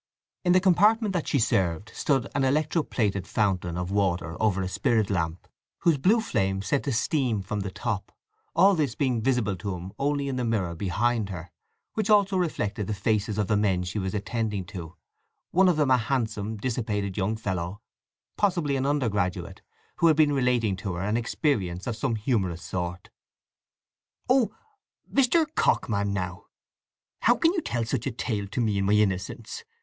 In the compartment she served stood an electro plated fountain of water over a spirit lamp, whose blue flame sent a steam from the top, all this being visible to him only in the mirror behind her; which also reflected the faces of the men she was attending to—one of them a handsome, dissipated young fellow, possibly an undergraduate, who had been relating to her an experience of some humorous sort. "Oh, Mr. Cockman, now! How can you tell such a tale to me in my innocence!"